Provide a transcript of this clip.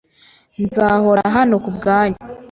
Nzahora hano kubwanyu.